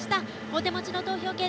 お手持ちの投票券